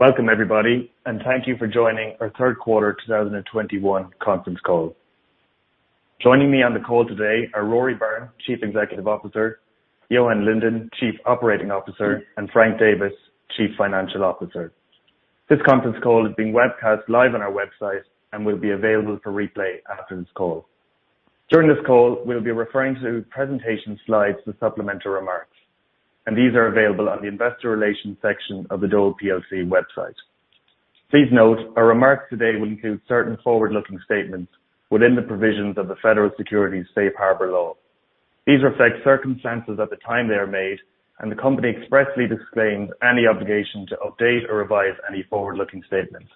Welcome everybody, and thank you for joining our Q3 2021 conference call. Joining me on the call today are Rory Byrne, Chief Executive Officer, Johan Linden, Chief Operating Officer, and Frank Davis, Chief Financial Officer. This conference call is being webcast live on our website and will be available for replay after this call. During this call, we'll be referring to presentation slides with supplemental remarks, and these are available on the investor relations section of the Dole plc website. Please note our remarks today will include certain forward-looking statements within the provisions of the Federal Securities Safe Harbor Law. These reflect circumstances at the time they are made, and the company expressly disclaims any obligation to update or revise any forward-looking statements.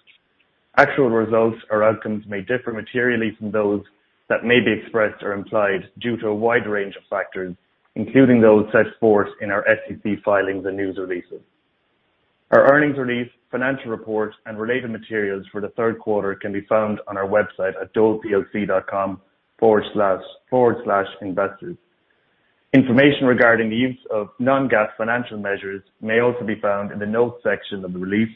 Actual results or outcomes may differ materially from those that may be expressed or implied due to a wide range of factors, including those set forth in our SEC filings and news releases. Our earnings release, financial report and related materials for the Q3 can be found on our website at doleplc.com/investors. Information regarding the use of non-GAAP financial measures may also be found in the notes section of the release,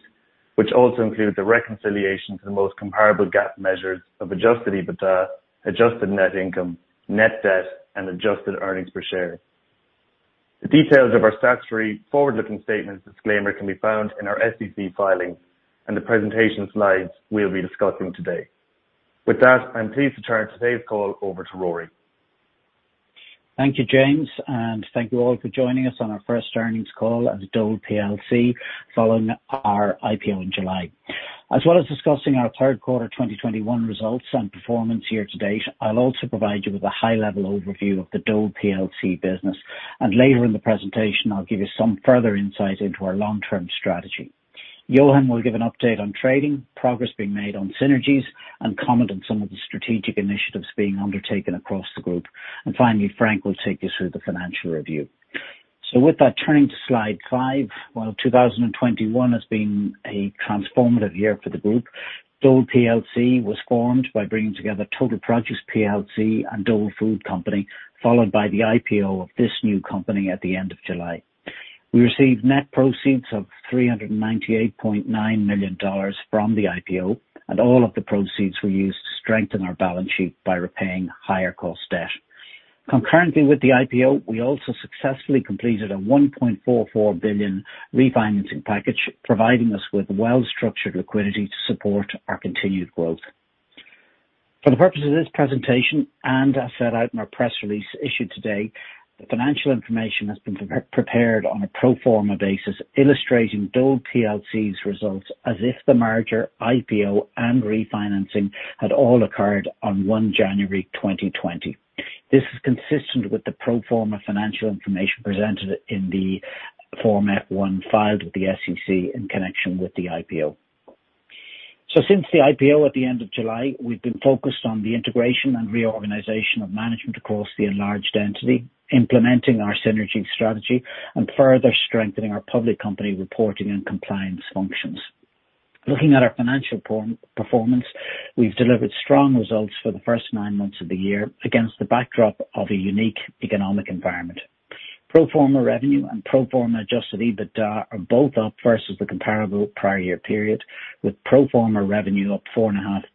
which also include the reconciliation to the most comparable GAAP measures of adjusted EBITDA, adjusted net income, net debt, and adjusted earnings per share. The details of our statutory forward-looking statements disclaimer can be found in our SEC filings and the presentation slides we'll be discussing today. With that, I'm pleased to turn today's call over to Rory. Thank you, James, and thank you all for joining us on our first earnings call as Dole plc following our IPO in July. As well as discussing our Q3 2021 results and performance year to date, I'll also provide you with a high-level overview of the Dole plc business. Later in the presentation, I'll give you some further insight into our long-term strategy. Johan will give an update on trading, progress being made on synergies and comment on some of the strategic initiatives being undertaken across the group. Finally, Frank will take you through the financial review. With that, turning to slide five. Well, 2021 has been a transformative year for the group. Dole plc was formed by bringing together Total Produce plc and Dole Food Company, followed by the IPO of this new company at the end of July. We received net proceeds of $398.9 million from the IPO, and all of the proceeds were used to strengthen our balance sheet by repaying higher cost debt. Concurrently with the IPO, we also successfully completed a $1.44 billion refinancing package, providing us with well-structured liquidity to support our continued growth. For the purpose of this presentation, and as set out in our press release issued today, the financial information has been pre-prepared on a pro forma basis, illustrating Dole plc's results as if the merger, IPO and refinancing had all occurred on January 1, 2020. This is consistent with the pro forma financial information presented in the Form F-1 filed with the SEC in connection with the IPO. Since the IPO at the end of July, we've been focused on the integration and reorganization of management across the enlarged entity, implementing our synergy strategy, and further strengthening our public company reporting and compliance functions. Looking at our financial performance, we've delivered strong results for the first nine months of the year against the backdrop of a unique economic environment. Pro forma revenue and pro forma adjusted EBITDA are both up versus the comparable prior year period, with pro forma revenue up 4.5%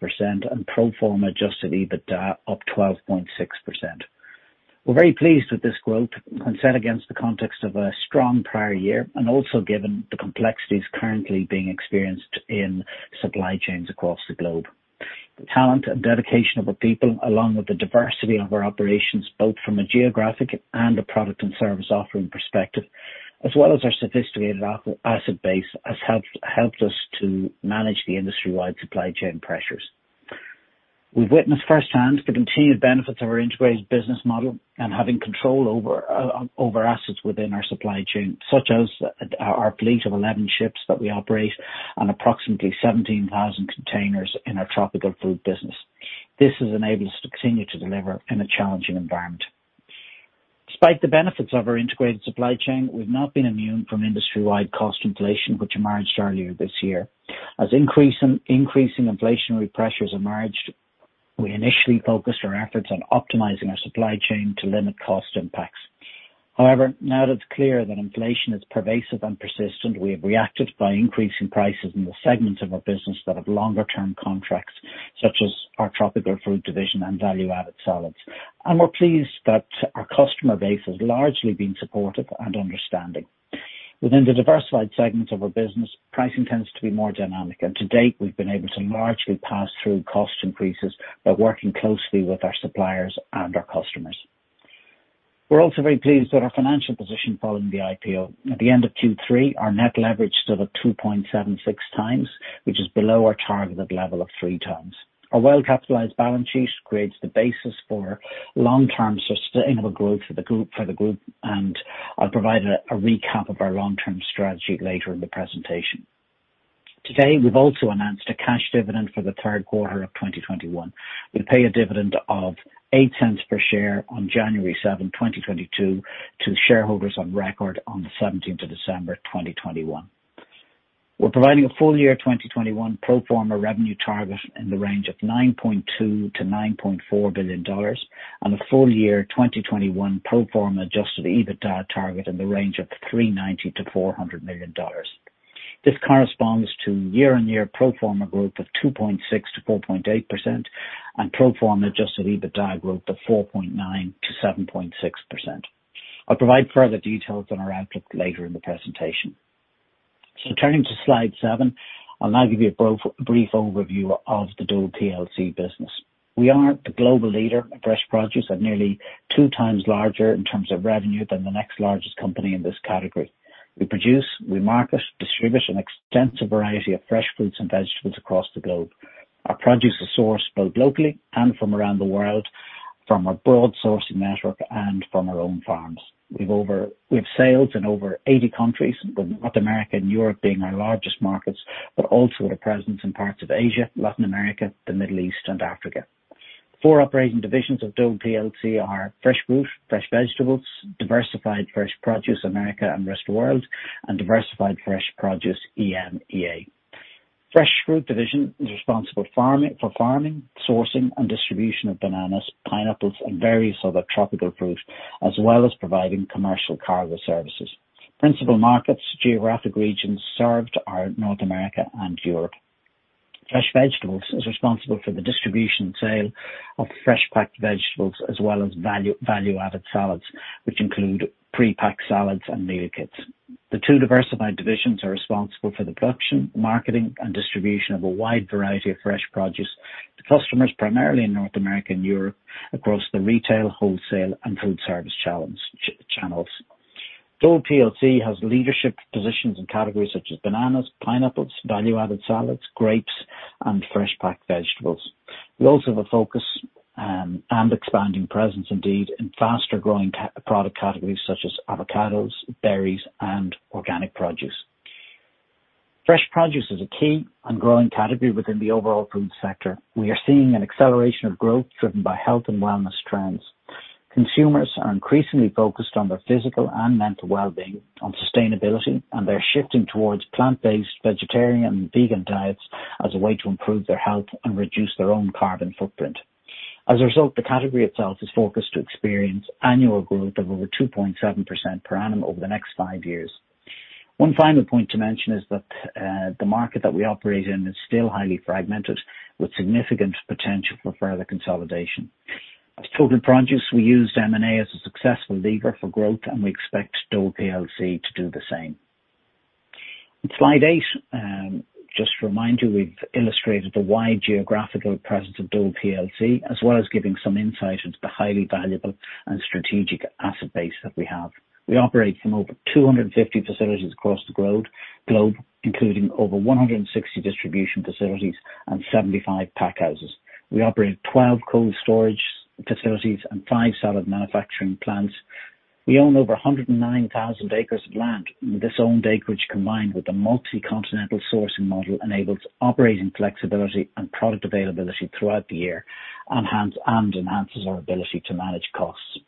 and pro forma adjusted EBITDA up 12.6%. We're very pleased with this growth when set against the context of a strong prior year and also given the complexities currently being experienced in supply chains across the globe. The talent and dedication of our people, along with the diversity of our operations, both from a geographic and a product and service offering perspective, as well as our sophisticated asset base, has helped us to manage the industry-wide supply chain pressures. We've witnessed firsthand the continued benefits of our integrated business model and having control over assets within our supply chain, such as our fleet of 11 ships that we operate and approximately 17,000 containers in our tropical fruit business. This has enabled us to continue to deliver in a challenging environment. Despite the benefits of our integrated supply chain, we've not been immune from industry-wide cost inflation, which emerged earlier this year. As increasing inflationary pressures emerged, we initially focused our efforts on optimizing our supply chain to limit cost impacts. However, now that it's clear that inflation is pervasive and persistent, we have reacted by increasing prices in the segments of our business that have longer term contracts, such as our tropical fruit division and value-added salads. We're pleased that our customer base has largely been supportive and understanding. Within the diversified segments of our business, pricing tends to be more dynamic, and to date, we've been able to largely pass through cost increases by working closely with our suppliers and our customers. We're also very pleased with our financial position following the IPO. At the end of Q3, our net leverage stood at 2.76 times, which is below our targeted level of 3x. Our well-capitalized balance sheet creates the basis for long-term sustainable growth for the group, and I'll provide a recap of our long-term strategy later in the presentation. Today, we've also announced a cash dividend for the Q3 of 2021. We pay a dividend of $0.08 per share on January 7, 2022 to shareholders of record on December 17, 2021. We're providing a full year 2021 pro forma revenue target in the range of $9.2 billion-$9.4 billion. A full year 2021 pro forma adjusted EBITDA target in the range of $390 million-$400 million. This corresponds to year-on-year pro forma growth of 2.6%-4.8% and pro forma adjusted EBITDA growth of 4.9%-7.6%. I'll provide further details on our outlook later in the presentation. Turning to slide 7. I'll now give you a brief overview of the Dole plc business. We are the global leader in fresh produce at nearly two times larger in terms of revenue than the next largest company in this category. We produce, we market, distribute an extensive variety of fresh fruits and vegetables across the globe. Our produce is sourced both locally and from around the world from a broad sourcing network and from our own farms. We have sales in over 80 countries, with North America and Europe being our largest markets, but also with a presence in parts of Asia, Latin America, the Middle East and Africa. Four operating divisions of Dole plc are fresh fruit, fresh vegetables, diversified fresh produce, Americas and rest of world, and diversified fresh produce EMEA. Fresh fruit division is responsible for farming, sourcing, and distribution of bananas, pineapples and various other tropical fruit, as well as providing commercial cargo services. Principal markets, geographic regions served are North America and Europe. Fresh Vegetables is responsible for the distribution and sale of fresh packed vegetables as well as value-added salads which include prepacked salads and meal kits. The two diversified divisions are responsible for the production, marketing, and distribution of a wide variety of fresh produce to customers primarily in North America and Europe across the retail, wholesale, and food service channels. Dole plc has leadership positions in categories such as bananas, pineapples, value-added salads, grapes, and fresh packed vegetables. We also have a focus and expanding presence in faster growing product categories such as avocados, berries, and organic produce. Fresh produce is a key and growing category within the overall food sector. We are seeing an acceleration of growth driven by health and wellness trends. Consumers are increasingly focused on their physical and mental well-being, on sustainability, and they're shifting towards plant-based vegetarian and vegan diets as a way to improve their health and reduce their own carbon footprint. As a result, the category itself is focused to experience annual growth of over 2.7% per annum over the next five years. One final point to mention is that, the market that we operate in is still highly fragmented, with significant potential for further consolidation. As Total Produce, we used M&A as a successful lever for growth, and we expect Dole plc to do the same. In slide eight, just to remind you, we've illustrated the wide geographical presence of Dole plc, as well as giving some insight into the highly valuable and strategic asset base that we have. We operate from over 250 facilities across the globe, including over 160 distribution facilities and 75 pack houses. We operate 12 cold storage facilities and five salad manufacturing plants. We own over 109,000 acres of land. This owned acreage, combined with the multi-continental sourcing model, enables operating flexibility and product availability throughout the year, and enhances our ability to manage costs.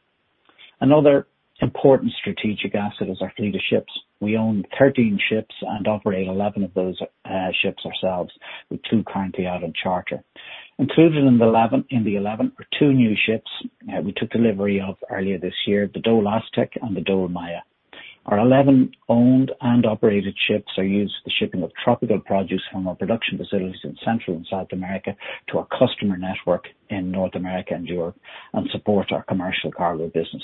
Another important strategic asset is our fleet of ships. We own 13 ships and operate 11 of those ships ourselves, with two currently out on charter. Included in the 11 are two new ships we took delivery of earlier this year, the Dole Aztec and the Dole Maya. Our 11 owned and operated ships are used for the shipping of tropical produce from our production facilities in Central and South America to our customer network in North America and Europe, and support our commercial cargo business.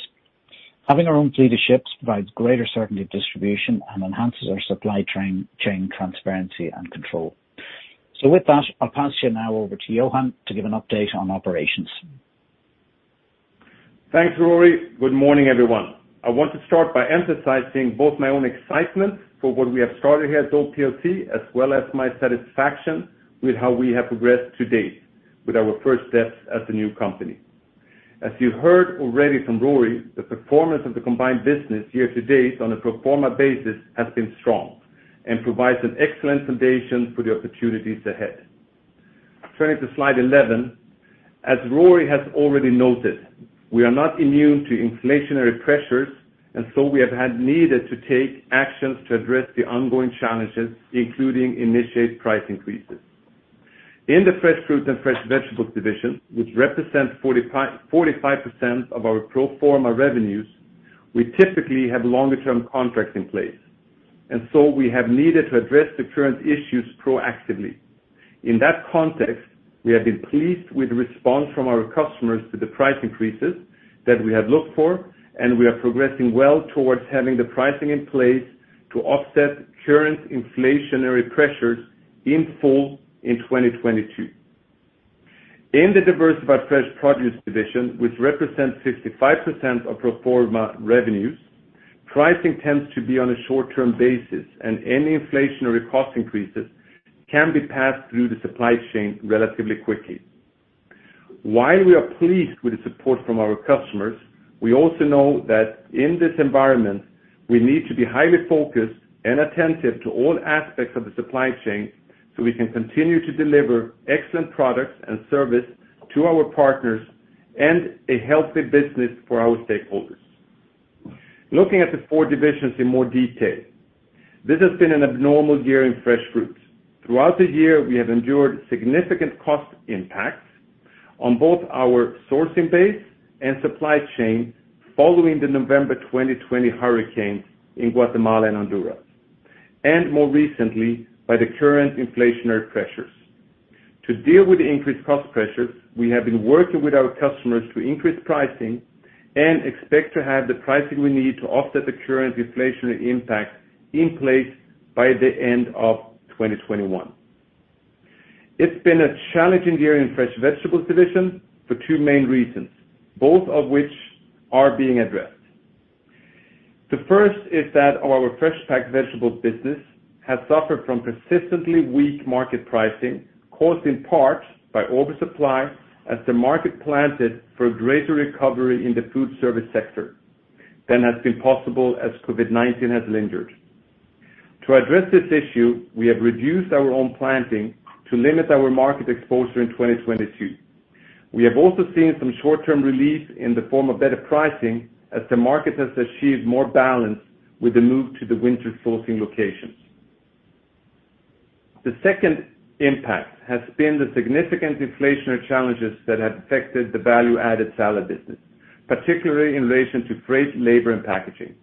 Having our own fleet of ships provides greater certainty of distribution and enhances our supply chain transparency and control. With that, I'll pass you now over to Johan to give an update on operations. Thanks, Rory. Good morning, everyone. I want to start by emphasizing both my own excitement for what we have started here at Dole plc, as well as my satisfaction with how we have progressed to date with our first steps as a new company. As you heard already from Rory, the performance of the combined business year to date on a pro forma basis has been strong and provides an excellent foundation for the opportunities ahead. Turning to slide 11. As Rory has already noted, we are not immune to inflationary pressures, and so we have had to take actions to address the ongoing challenges, including to initiate price increases. In the fresh fruit and fresh vegetables division, which represents 45% of our pro forma revenues, we typically have longer term contracts in place, and so we have needed to address the current issues proactively. In that context, we have been pleased with the response from our customers to the price increases that we have looked for, and we are progressing well towards having the pricing in place to offset current inflationary pressures in full in 2022. In the diversified fresh produce division, which represents 55% of pro forma revenues, pricing tends to be on a short-term basis and any inflationary cost increases can be passed through the supply chain relatively quickly. While we are pleased with the support from our customers, we also know that in this environment we need to be highly focused and attentive to all aspects of the supply chain so we can continue to deliver excellent products and service to our partners and a healthy business for our stakeholders. Looking at the 4 divisions in more detail. This has been an abnormal year in fresh fruits. Throughout the year, we have endured significant cost impacts on both our sourcing base and supply chain following the November 2020 hurricanes in Guatemala and Honduras, more recently, by the current inflationary pressures. To deal with the increased cost pressures, we have been working with our customers to increase pricing and expect to have the pricing we need to offset the current inflationary impact in place by the end of 2021. It's been a challenging year in Fresh Vegetables division for two main reasons, both of which are being addressed. The first is that our fresh packed vegetables business has suffered from persistently weak market pricing, caused in part by oversupply as the market planted for a greater recovery in the food service sector than has been possible as COVID-19 has lingered. To address this issue, we have reduced our own planting to limit our market exposure in 2022. We have also seen some short-term relief in the form of better pricing as the market has achieved more balance with the move to the winter sourcing locations. The second impact has been the significant inflationary challenges that have affected the value-added salad business, particularly in relation to freight, labor, and packaging.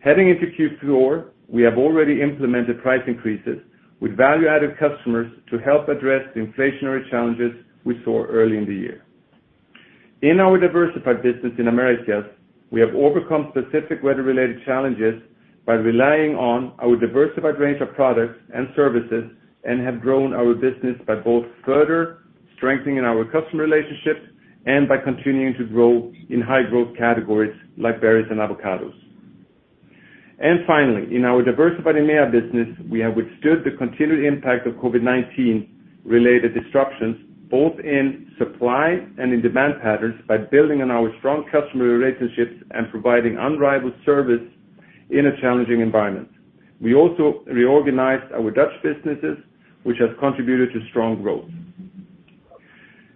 Heading into Q4, we have already implemented price increases with value-added customers to help address the inflationary challenges we saw early in the year. In our diversified business in Americas, we have overcome specific weather-related challenges by relying on our diversified range of products and services, and have grown our business by both further strengthening our customer relationships and by continuing to grow in high growth categories like berries and avocados. Finally, in our diversified EMEA business, we have withstood the continued impact of COVID-19 related disruptions, both in supply and in demand patterns, by building on our strong customer relationships and providing unrivaled service in a challenging environment. We also reorganized our Dutch businesses, which has contributed to strong growth.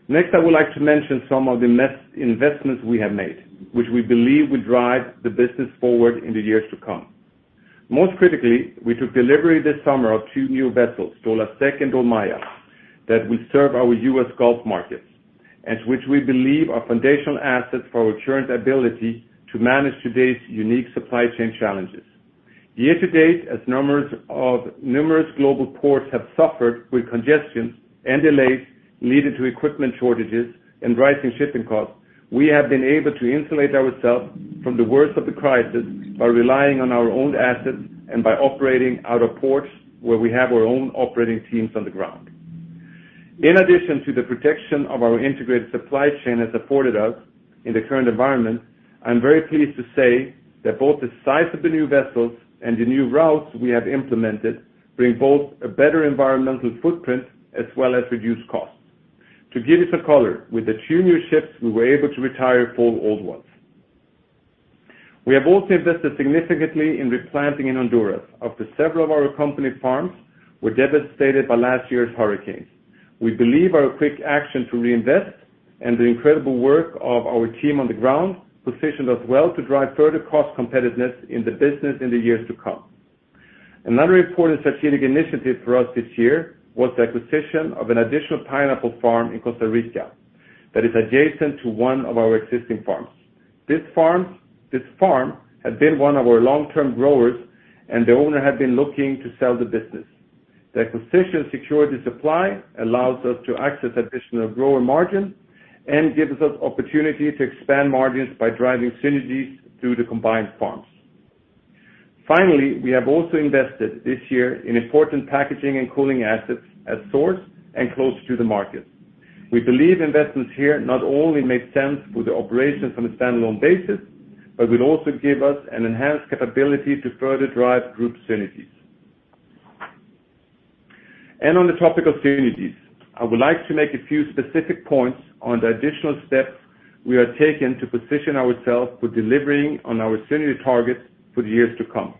Next, I would like to mention some of the investments we have made, which we believe will drive the business forward in the years to come. Most critically, we took delivery this summer of two new vessels, Dole Aztec and Dole Maya, that will serve our U.S. Gulf markets, and which we believe are foundational assets for our current ability to manage today's unique supply chain challenges. Year to date, as numerous global ports have suffered with congestion and delays leading to equipment shortages and rising shipping costs, we have been able to insulate ourselves from the worst of the crisis by relying on our own assets and by operating out of ports where we have our own operating teams on the ground. In addition to the protection of our integrated supply chain has supported us in the current environment, I'm very pleased to say that both the size of the new vessels and the new routes we have implemented bring both a better environmental footprint as well as reduced costs. To give you some color, with the two new ships, we were able to retire four old ones. We have also invested significantly in replanting in Honduras after several of our company farms were devastated by last year's hurricanes. We believe our quick action to reinvest and the incredible work of our team on the ground positions us well to drive further cost competitiveness in the business in the years to come. Another important strategic initiative for us this year was the acquisition of an additional pineapple farm in Costa Rica that is adjacent to one of our existing farms. This farm had been one of our long-term growers, and the owner had been looking to sell the business. The acquisition secured the supply, allows us to access additional grower margin, and gives us opportunity to expand margins by driving synergies through the combined farms. Finally, we have also invested this year in important packaging and cooling assets at source and close to the market. We believe investments here not only make sense for the operations on a standalone basis, but will also give us an enhanced capability to further drive group synergies. On the topic of synergies, I would like to make a few specific points on the additional steps we are taking to position ourselves for delivering on our synergy targets for the years to come.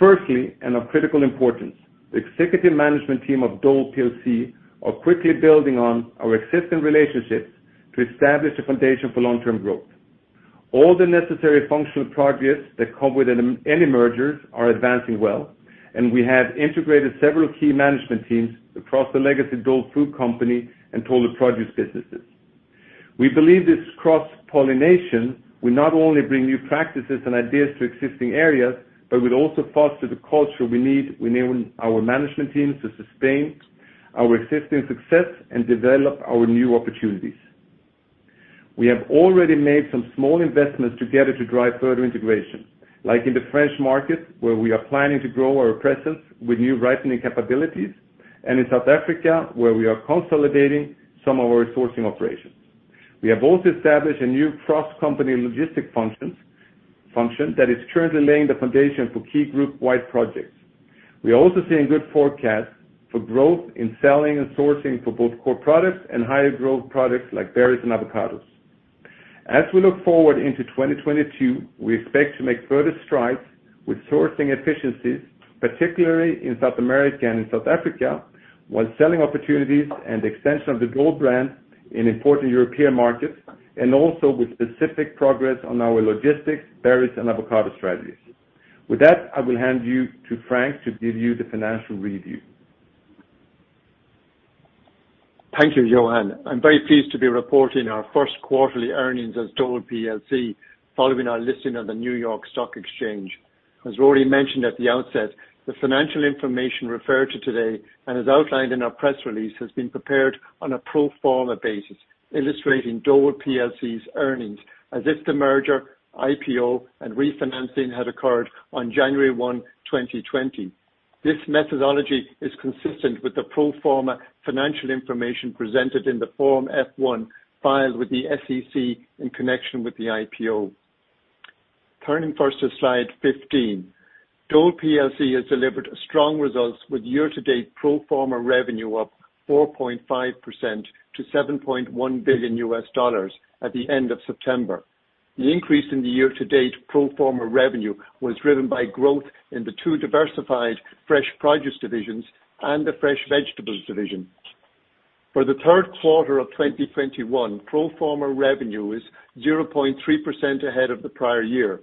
Firstly, and of critical importance, the executive management team of Dole plc are quickly building on our existing relationships to establish a foundation for long-term growth. All the necessary functional progress that come with any mergers are advancing well, and we have integrated several key management teams across the legacy Dole Food Company and Total Produce businesses. We believe this cross-pollination will not only bring new practices and ideas to existing areas, but will also foster the culture we need within our management teams to sustain our existing success and develop our new opportunities. We have already made some small investments together to drive further integration, like in the French market, where we are planning to grow our presence with new ripening capabilities, and in South Africa, where we are consolidating some of our sourcing operations. We have also established a new cross-company logistic function that is currently laying the foundation for key group-wide projects. We are also seeing good forecasts for growth in selling and sourcing for both core products and higher growth products like berries and avocados. As we look forward into 2022, we expect to make further strides with sourcing efficiencies, particularly in South America and in South Africa. While seeking opportunities and extension of the Dole brand in important European markets, and also with specific progress on our logistics, berries, and avocado strategies. With that, I will hand you to Frank to give you the financial review. Thank you, Johan. I'm very pleased to be reporting our Q1 earnings as Dole plc following our listing on the New York Stock Exchange. As Rory mentioned at the outset, the financial information referred to today and as outlined in our press release has been prepared on a pro forma basis, illustrating Dole plc's earnings as if the merger, IPO, and refinancing had occurred on January 1, 2020. This methodology is consistent with the pro forma financial information presented in the Form F-1 filed with the SEC in connection with the IPO. Turning first to slide 15. Dole plc has delivered strong results with year-to-date pro forma revenue up 4.5% to $7.1 billion at the end of September. The increase in the year-to-date pro forma revenue was driven by growth in the two diversified fresh produce divisions and the fresh vegetables division. For the Q3 of 2021, pro forma revenue is 0.3% ahead of the prior year.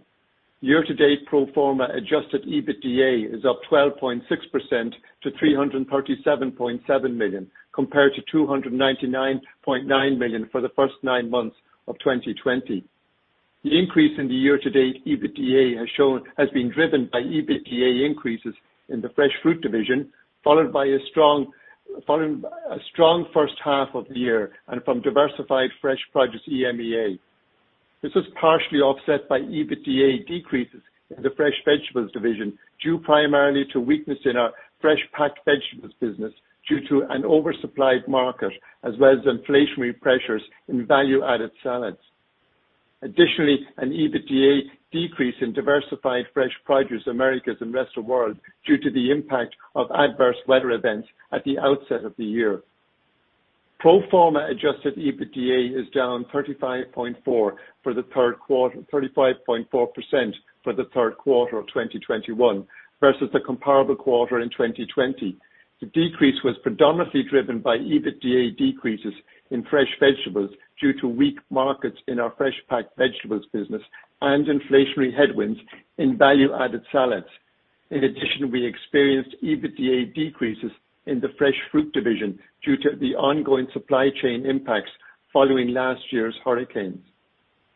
Year-to-date pro forma adjusted EBITDA is up 12.6% to $337.7 million, compared to $299.9 million for the first nine months of 2020. The increase in the year-to-date EBITDA has been driven by EBITDA increases in the fresh fruit division, following a strong first half of the year and from diversified fresh produce EMEA. This was partially offset by EBITDA decreases in the fresh vegetables division, due primarily to weakness in our fresh packed vegetables business due to an oversupplied market, as well as inflationary pressures in value-added salads. Additionally, an EBITDA decrease in diversified fresh produce Americas and rest of world, due to the impact of adverse weather events at the outset of the year. Pro forma adjusted EBITDA is down 35.4% for the Q3 of 2021 versus the comparable quarter in 2020. The decrease was predominantly driven by EBITDA decreases in fresh vegetables due to weak markets in our fresh packed vegetables business and inflationary headwinds in value-added salads. In addition, we experienced EBITDA decreases in the fresh fruit division due to the ongoing supply chain impacts following last year's hurricanes.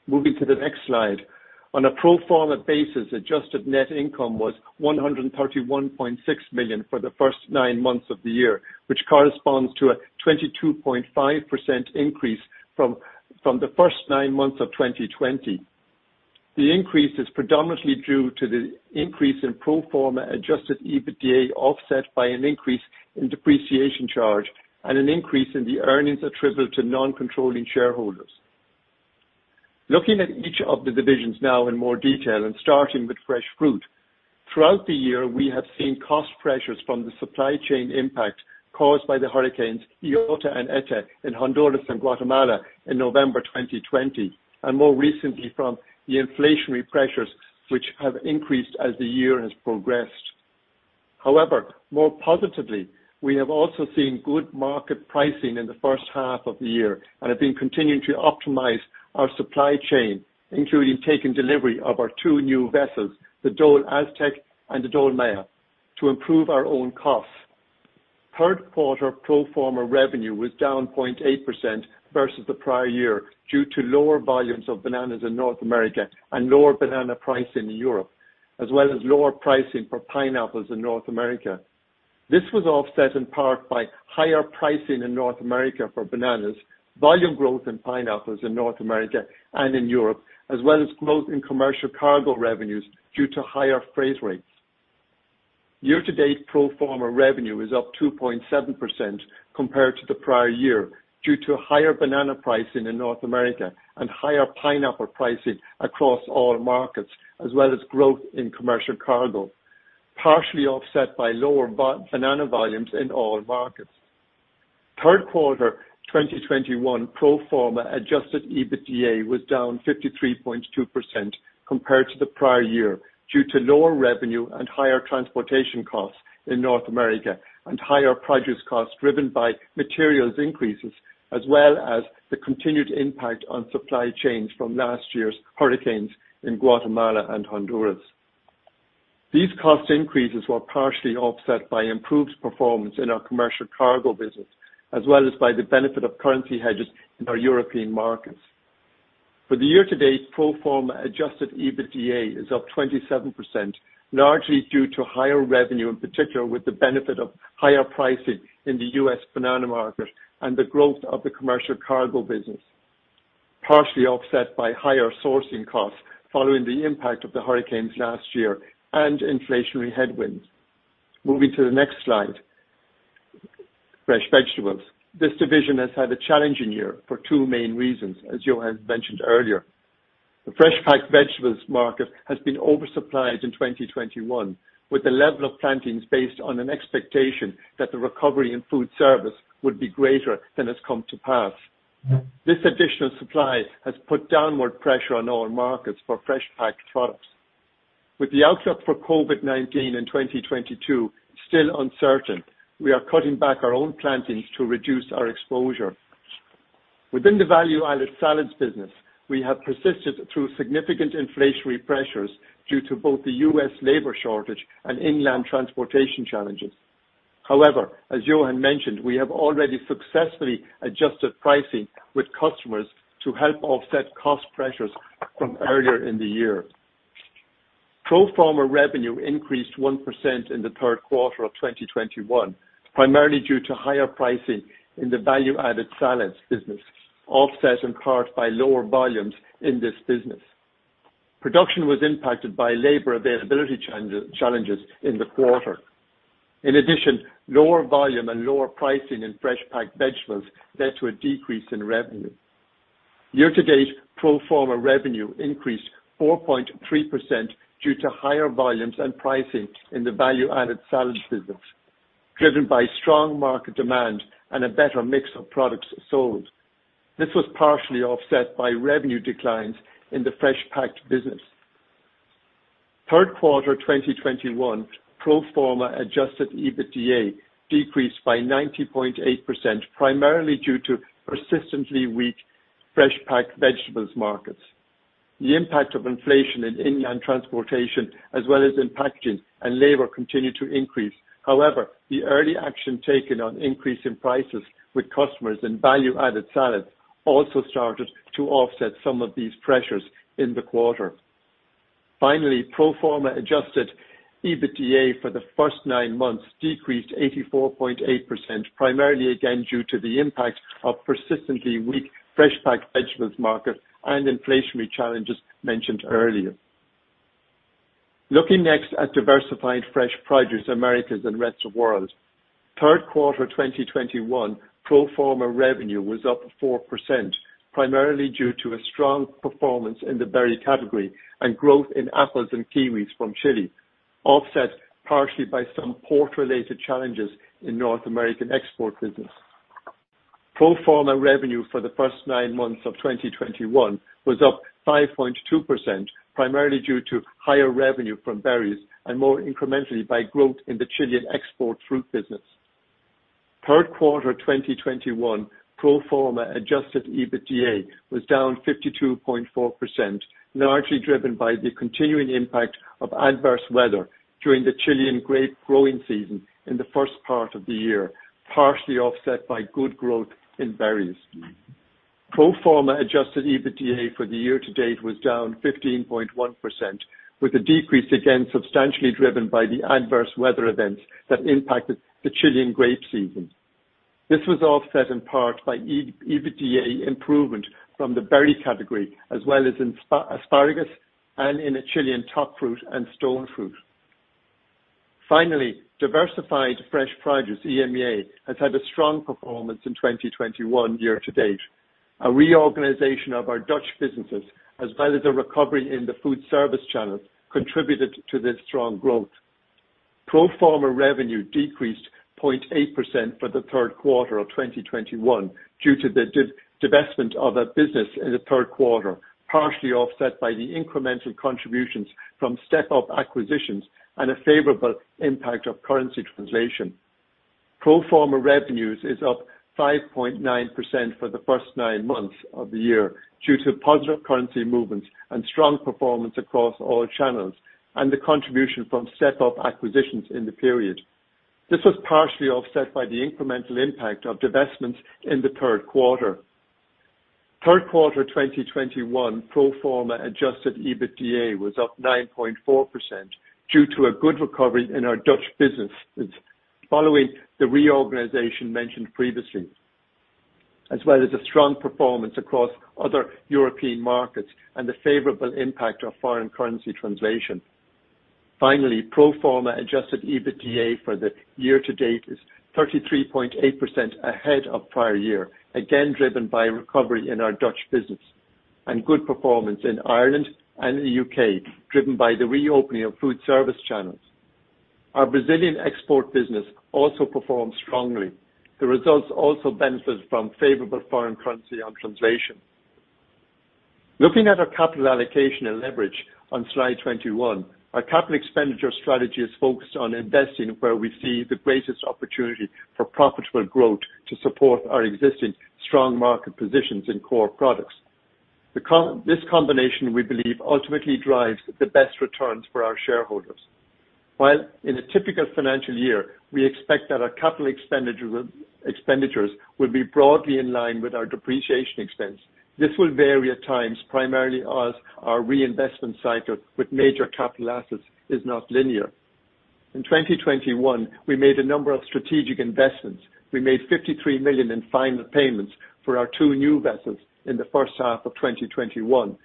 Moving to the next slide. On a pro forma basis, adjusted net income was $131.6 million for the first nine months of the year, which corresponds to a 22.5% increase from the first nine months of 2020. The increase is predominantly due to the increase in pro forma adjusted EBITDA, offset by an increase in depreciation charge and an increase in the earnings attributable to non-controlling shareholders. Looking at each of the divisions now in more detail and starting with fresh fruit. Throughout the year, we have seen cost pressures from the supply chain impact caused by the hurricanes Iota and Eta in Honduras and Guatemala in November 2020, and more recently from the inflationary pressures which have increased as the year has progressed. However, more positively, we have also seen good market pricing in the first half of the year and have been continuing to optimize our supply chain, including taking delivery of our two new vessels, the Dole Aztec and the Dole Maya, to improve our own costs. Q3 pro forma revenue was down 0.8% versus the prior year due to lower volumes of bananas in North America and lower banana pricing in Europe, as well as lower pricing for pineapples in North America. This was offset in part by higher pricing in North America for bananas, volume growth in pineapples in North America and in Europe, as well as growth in commercial cargo revenues due to higher freight rates. Year-to-date pro forma revenue is up 2.7% compared to the prior year due to higher banana pricing in North America and higher pineapple pricing across all markets, as well as growth in commercial cargo, partially offset by lower banana volumes in all markets. Q3 2021 pro forma adjusted EBITDA was down 53.2% compared to the prior year due to lower revenue and higher transportation costs in North America and higher produce costs driven by materials increases as well as the continued impact on supply chains from last year's hurricanes in Guatemala and Honduras. These cost increases were partially offset by improved performance in our commercial cargo business, as well as by the benefit of currency hedges in our European markets. For the year to date, pro forma adjusted EBITDA is up 27%, largely due to higher revenue, in particular with the benefit of higher pricing in the U.S. banana market and the growth of the commercial cargo business, partially offset by higher sourcing costs following the impact of the hurricanes last year and inflationary headwinds. Moving to the next slide. Fresh vegetables. This division has had a challenging year for two main reasons, as Johan mentioned earlier. The fresh packed vegetables market has been oversupplied in 2021, with the level of plantings based on an expectation that the recovery in food service would be greater than has come to pass. This additional supply has put downward pressure on our markets for fresh packed products. With the outlook for COVID-19 in 2022 still uncertain, we are cutting back our own plantings to reduce our exposure. Within the value-added salads business, we have persisted through significant inflationary pressures due to both the U.S. labor shortage and inland transportation challenges. However, as Johan mentioned, we have already successfully adjusted pricing with customers to help offset cost pressures from earlier in the year. Pro forma revenue increased 1% in the Q3 of 2021, primarily due to higher pricing in the value-added salads business, offset in part by lower volumes in this business. Production was impacted by labor availability challenges in the quarter. In addition, lower volume and lower pricing in fresh packed vegetables led to a decrease in revenue. Year-to-date pro forma revenue increased 4.3% due to higher volumes and pricing in the value-added salads business, driven by strong market demand and a better mix of products sold. This was partially offset by revenue declines in the fresh packed business. Q3 2021 pro forma adjusted EBITDA decreased by 90.8% primarily due to persistently weak fresh packed vegetables markets. The impact of inflation in inland transportation as well as in packaging and labor continued to increase. However, the early action taken on increase in prices with customers and value-added salads also started to offset some of these pressures in the quarter. Finally, pro forma adjusted EBITDA for the first nine months decreased 84.8% primarily again due to the impact of persistently weak fresh packed vegetables markets and inflationary challenges mentioned earlier. Looking next at diversified fresh produce Americas and rest of world. Q3 2021 pro forma revenue was up 4% primarily due to a strong performance in the berry category and growth in apples and kiwis from Chile, offset partially by some port-related challenges in North American export business. Pro forma revenue for the first nine months of 2021 was up 5.2% primarily due to higher revenue from berries and more incrementally by growth in the Chilean export fruit business. Q3 2021 pro forma adjusted EBITDA was down 52.4%, largely driven by the continuing impact of adverse weather during the Chilean grape growing season in the first part of the year, partially offset by good growth in berries. Pro forma adjusted EBITDA for the year to date was down 15.1%, with the decrease again substantially driven by the adverse weather events that impacted the Chilean grape season. This was offset in part by EBITDA improvement from the berry category, as well as in asparagus and in the Chilean top fruit and stone fruit. Finally, diversified fresh produce, EMEA, has had a strong performance in 2021 year to date. A reorganization of our Dutch businesses as well as a recovery in the food service channels contributed to this strong growth. Pro forma revenue decreased 0.8% for the Q3 of 2021 due to the divestment of a business in the Q3, partially offset by the incremental contributions from step-up acquisitions and a favorable impact of currency translation. Pro forma revenues is up 5.9% for the first nine months of the year due to positive currency movements and strong performance across all channels and the contribution from step-up acquisitions in the period. This was partially offset by the incremental impact of divestments in the Q3. Q3 2021 pro forma adjusted EBITDA was up 9.4% due to a good recovery in our Dutch businesses following the reorganization mentioned previously, as well as a strong performance across other European markets and the favorable impact of foreign currency translation. Pro forma adjusted EBITDA for the year to date is 33.8% ahead of prior year, again driven by recovery in our Dutch business and good performance in Ireland and the U.K., driven by the reopening of food service channels. Our Brazilian export business also performed strongly. The results also benefited from favorable foreign currency translation. Looking at our capital allocation and leverage on slide 21, our capital expenditure strategy is focused on investing where we see the greatest opportunity for profitable growth to support our existing strong market positions in core products. This combination, we believe, ultimately drives the best returns for our shareholders. While in a typical financial year, we expect that our capital expenditures will be broadly in line with our depreciation expense. This will vary at times, primarily as our reinvestment cycle with major capital assets is not linear. In 2021, we made a number of strategic investments. We made $53 million in final payments for our two new vessels in the first half of 2021.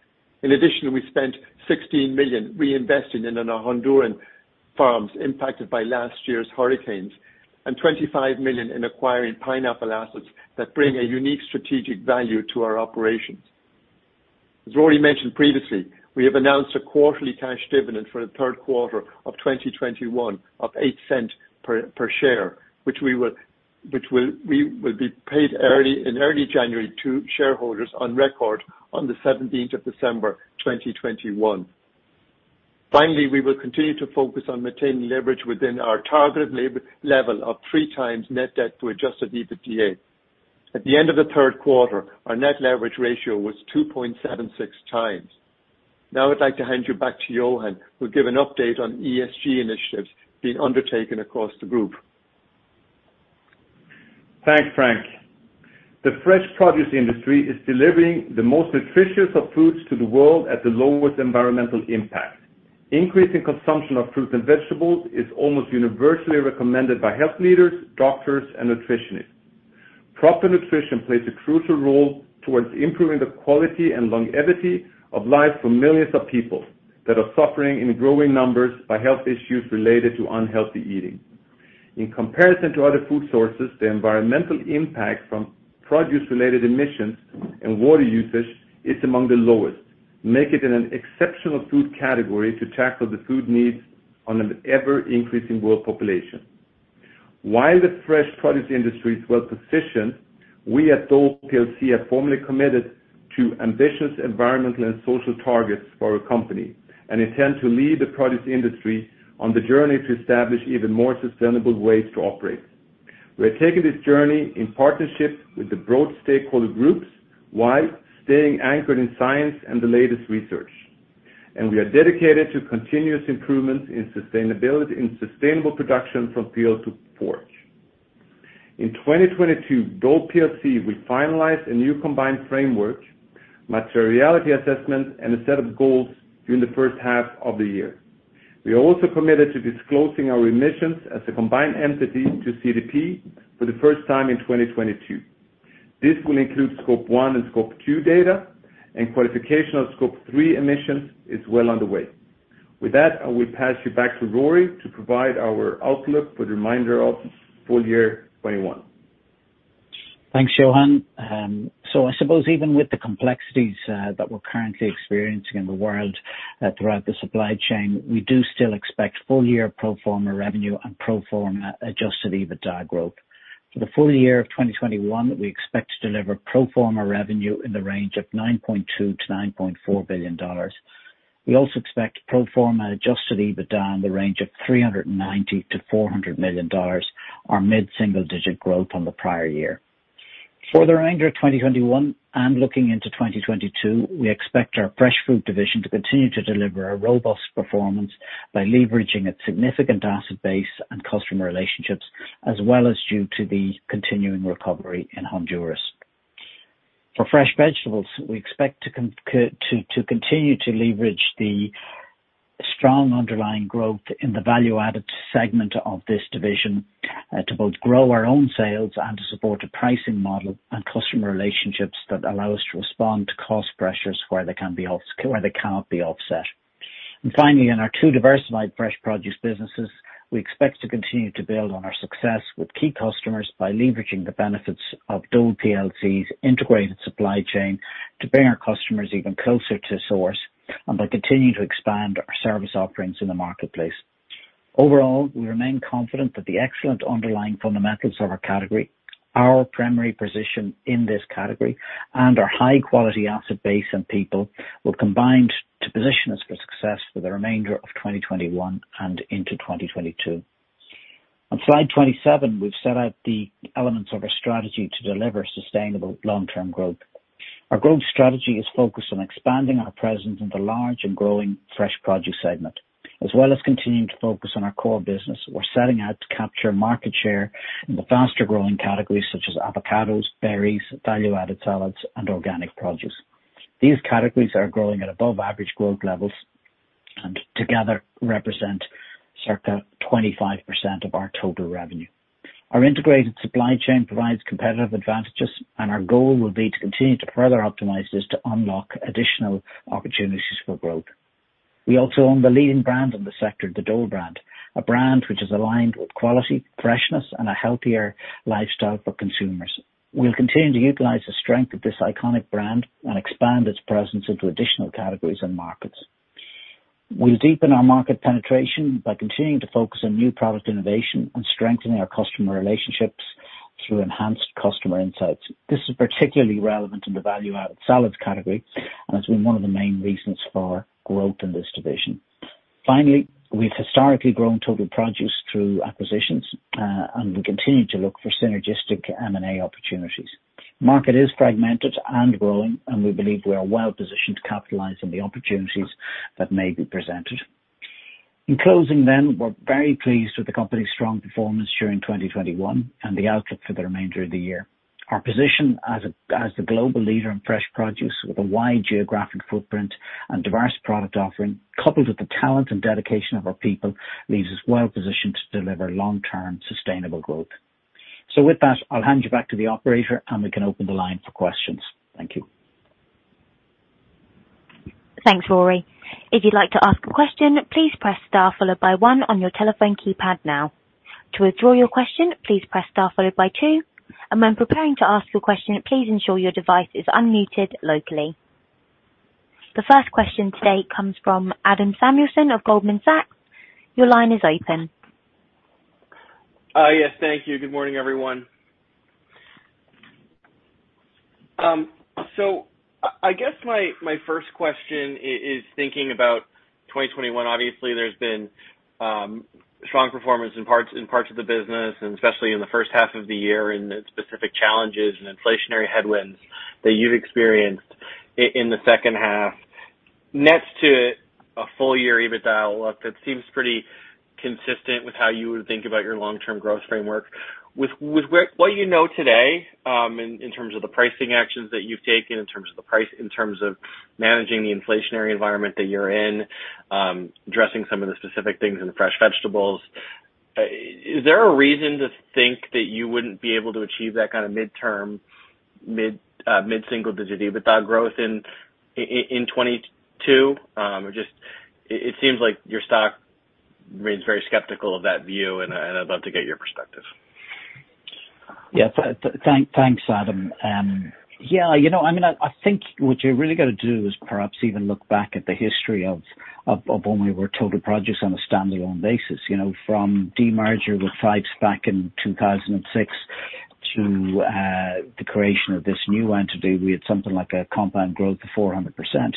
In addition, we spent $16 million reinvesting in Honduran farms impacted by last year's hurricanes and $25 million in acquiring pineapple assets that bring a unique strategic value to our operations. As already mentioned previously, we have announced a quarterly cash dividend for the Q3 of 2021 of $0.08 per share, which we will. We will be paid early, in early January to shareholders on record on December 17, 2021. Finally, we will continue to focus on maintaining leverage within our targeted leverage level of 3x net debt to adjusted EBITDA. At the end of the Q3, our net leverage ratio was 2.76x. Now I'd like to hand you back to Johan, who'll give an update on ESG initiatives being undertaken across the group. Thanks, Frank. The fresh produce industry is delivering the most nutritious of foods to the world at the lowest environmental impact. Increasing consumption of fruits and vegetables is almost universally recommended by health leaders, doctors, and nutritionists. Proper nutrition plays a crucial role towards improving the quality and longevity of life for millions of people that are suffering in growing numbers by health issues related to unhealthy eating. In comparison to other food sources, the environmental impact from produce-related emissions and water usage is among the lowest, making it an exceptional food category to tackle the food needs on an ever-increasing world population. While the fresh produce industry is well positioned, we at Dole plc have formally committed to ambitious environmental and social targets for our company and intend to lead the produce industry on the journey to establish even more sustainable ways to operate. We're taking this journey in partnership with the broad stakeholder groups while staying anchored in science and the latest research. We are dedicated to continuous improvements in sustainability and sustainable production from field to fork. In 2022, Dole plc will finalize a new combined framework, materiality assessment, and a set of goals during the first half of the year. We are also committed to disclosing our emissions as a combined entity to CDP for the first time in 2022. This will include Scope I and Scope II data and qualification of Scope III emissions is well underway. With that, I will pass you back to Rory to provide our outlook for the remainder of full year 2021. Thanks, Johan. I suppose even with the complexities that we're currently experiencing in the world throughout the supply chain, we do still expect full year pro forma revenue and pro forma adjusted EBITDA growth. For the full year of 2021, we expect to deliver pro forma revenue in the range of $9.2 billion-$9.4 billion. We also expect pro forma adjusted EBITDA in the range of $390 million-$400 million or mid-single-digit growth on the prior year. For the remainder of 2021 and looking into 2022, we expect our fresh food division to continue to deliver a robust performance by leveraging its significant asset base and customer relationships as well as due to the continuing recovery in Honduras. For fresh vegetables, we expect to continue to leverage the strong underlying growth in the value-added segment of this division, to both grow our own sales and to support a pricing model and customer relationships that allow us to respond to cost pressures where they cannot be offset. Finally, in our two diversified fresh produce businesses, we expect to continue to build on our success with key customers by leveraging the benefits of Dole plc's integrated supply chain to bring our customers even closer to source and by continuing to expand our service offerings in the marketplace. Overall, we remain confident that the excellent underlying fundamentals of our category, our primary position in this category, and our high-quality asset base and people will combine to position us for success for the remainder of 2021 and into 2022. On slide 27, we've set out the elements of our strategy to deliver sustainable long-term growth. Our growth strategy is focused on expanding our presence in the large and growing fresh produce segment. As well as continuing to focus on our core business, we're setting out to capture market share in the faster-growing categories such as avocados, berries, value-added salads, and organic produce. These categories are growing at above average growth levels and together represent circa 25% of our total revenue. Our integrated supply chain provides competitive advantages, and our goal will be to continue to further optimize this to unlock additional opportunities for growth. We also own the leading brand in the sector, the Dole brand, a brand which is aligned with quality, freshness, and a healthier lifestyle for consumers. We'll continue to utilize the strength of this iconic brand and expand its presence into additional categories and markets. We'll deepen our market penetration by continuing to focus on new product innovation and strengthening our customer relationships through enhanced customer insights. This is particularly relevant in the value-added salads category, and it's been one of the main reasons for our growth in this division. Finally, we've historically grown Total Produce through acquisitions, and we continue to look for synergistic M&A opportunities. Market is fragmented and growing, and we believe we are well positioned to capitalize on the opportunities that may be presented. In closing then, we're very pleased with the company's strong performance during 2021 and the outlook for the remainder of the year. Our position as the global leader in fresh produce with a wide geographic footprint and diverse product offering, coupled with the talent and dedication of our people, leaves us well positioned to deliver long-term sustainable growth. With that, I'll hand you back to the operator, and we can open the line for questions. Thank you. Thanks, Rory. If you'd like to ask a question, please press star followed by one on your telephone keypad now. To withdraw your question, please press star followed by two. When preparing to ask your question, please ensure your device is unmuted locally. The first question today comes from Adam Samuelson of Goldman Sachs. Your line is open. Yes, thank you. Good morning, everyone. So I guess my first question is thinking about 2021. Obviously, there's been strong performance in parts of the business, and especially in the first half of the year, and the specific challenges and inflationary headwinds that you've experienced in the second half. Next to a full year EBIT dial up, it seems pretty consistent with how you would think about your long-term growth framework. With what you know today, in terms of the pricing actions that you've taken, in terms of the price, in terms of managing the inflationary environment that you're in, addressing some of the specific things in the fresh vegetables, is there a reason to think that you wouldn't be able to achieve that kind of mid-single digit EBITDA growth in 2022? It seems like your stock remains very skeptical of that view, and I'd love to get your perspective. Yeah. Thanks, Adam. Yeah, you know, I mean, I think what you really gotta do is perhaps even look back at the history of when we were Total Produce on a standalone basis, you know, from demerger with Fyffes back in 2006 to the creation of this new entity. We had something like a compound growth of 400%.